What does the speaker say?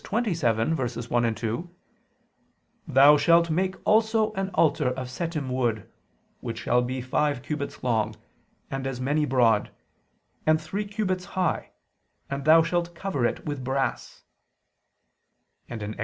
27:1, 2): "Thou shalt make also an altar of setim wood, which shall be five cubits long, and as many broad ... and three cubits high ... and thou shalt cover it with brass": and (Ex.